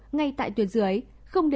ngay tại địa phương